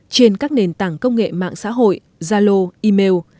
trên các nền tảng công nghệ mạng xã hội gia lô email